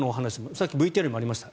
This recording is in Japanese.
さっきＶＴＲにありました